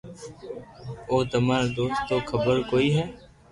او تماري دوست نو خبر ڪوئي ھي